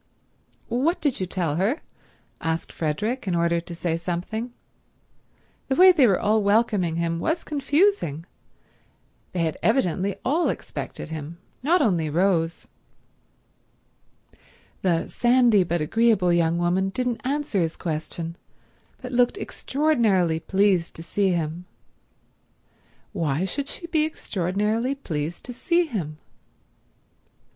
"What did you tell her?" asked Frederick, in order to say something. The way they were all welcoming him was confusing. They had evidently all expected him, not only Rose. The sandy but agreeable young woman didn't answer his question, but looked extraordinarily pleased to see him. Why should she be extraordinarily pleased to see him?